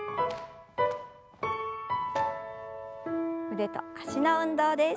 腕と脚の運動です。